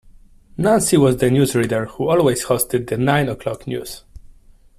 Nancy was the newsreader who always hosted the nine o'clock news